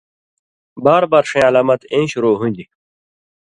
باربار ݜَیں علامات ایں شروع ہُوندیۡ